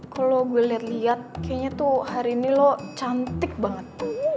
kalo gue liat liat kayaknya tuh hari ini lo cantik banget